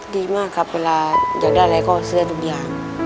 ดีมากครับเวลาอยากได้อะไรก็ซื้อทุกอย่าง